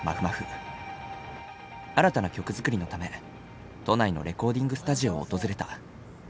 新たな曲作りのため都内のレコーディングスタジオを訪れた。